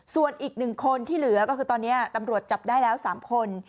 ส่วนอีก๑คนที่เหลือตอนนี้ตำรวจจับได้๓คน